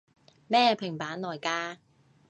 咩平板來㗎？